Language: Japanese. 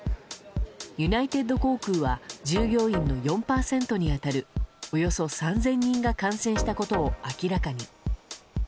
ユナイテッド航空は従業員の４％に当たるおよそ３０００人が感染したことを明らかに。